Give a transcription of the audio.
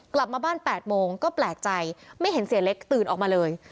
กลับมาบ้าน๘โมงก็แปลกใจไม่เห็นเสียเล็กตื่นออกมาเลย